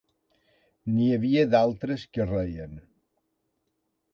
N'hi havia d'altres que reien